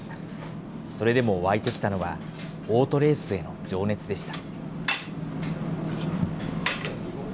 それでも湧いてきたのは、オートレースへの情熱でした。